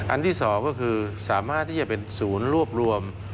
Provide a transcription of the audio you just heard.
อันที่๒ก็คือสามารถที่จะเป็นศูนย์รวบรวม